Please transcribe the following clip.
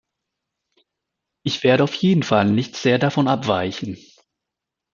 Ich werde auf jeden Fall nicht sehr davon abweichen.